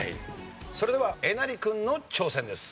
それではえなり君の挑戦です。